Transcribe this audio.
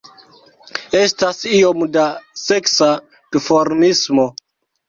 Estas iom da seksa duformismo.